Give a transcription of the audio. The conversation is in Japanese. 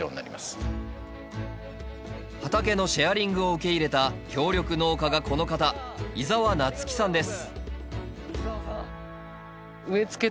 畑のシェアリングを受け入れた協力農家がこの方井沢夏樹さんです